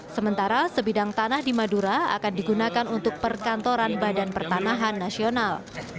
sementara sebidang tanah di madura akan digunakan untuk perkantoran badan pertanahan nasional